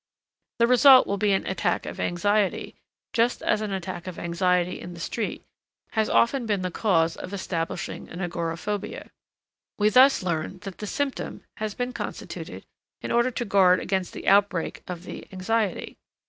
The result will be an attack of anxiety, just as an attack of anxiety in the street has often been the cause of establishing an agoraphobia. We thus learn that the symptom has been constituted in order to guard against the outbreak of the anxiety.